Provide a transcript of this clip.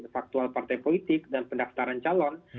faktual partai politik dan pendaftaran calon